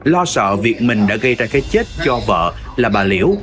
lo sợ việc mình đã gây ra cái chết cho vợ là bà liễu